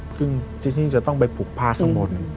ซึ่งที่นี่จะต้องไปผูกผ้าข้างบน